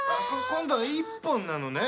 今度は一本なのね。